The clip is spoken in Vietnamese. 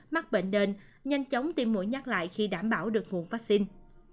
mắc bệnh đền nhanh chóng tiêm mũi nhắc lại khi đảm bảo được nguồn vaccine